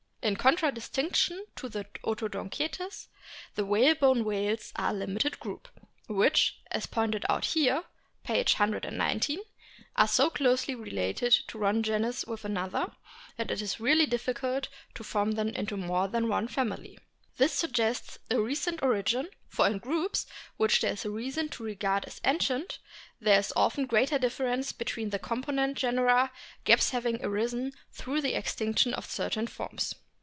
In contradistinction to the Odontocetes the whalebone whales are a limited group, which, as is pointed out here (p. 119), are so closely related one genus with another, that it is really difficult to form them into more than one family. This suggests a recent origin ; for in groups, which TOOTHED WHALES 175 there is reason to regard as ancient, there is often greater difference between the component genera, gaps having arisen through the extinction of certain forms.